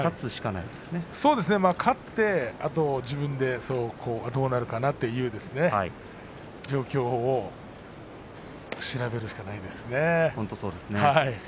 そうですね、まず勝って自分で、あとどうなるかなという状況を調べるしかないですね。